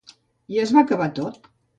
I es va acabar tot.